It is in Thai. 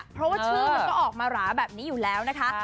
เพราะว่าชื่อมันก็ออกมาหราแบบนี้อยู่แล้วนะคะ